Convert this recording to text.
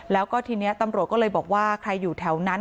แล้วก็ทีนี้ตำรวจก็เลยบอกว่าใครอยู่แถวนั้น